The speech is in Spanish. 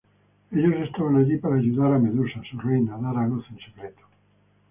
Ellos estaban allí para ayudar a Medusa, su reina, dar a luz en secreto.